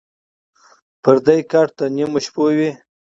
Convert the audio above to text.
ـ پردى کټ تر نيمو شپو وي.